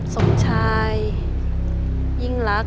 สมชายยิ่งรัก